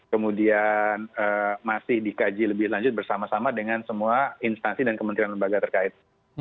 kemudian masih dikaji lebih lanjut bersama sama dengan semua instansi dan kementerian lembaga terkait